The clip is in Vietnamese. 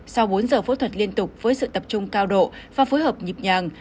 sau bốn giờ phẫu thuật liên tục với sự tập trung cao độ và phối hợp nhịp nhàng